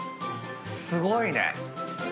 すごいね。